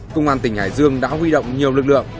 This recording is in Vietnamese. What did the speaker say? công an tỉnh hải dương đã huy động nhiều lực lượng